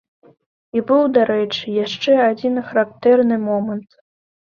І быў, дарэчы, яшчэ адзін характэрны момант.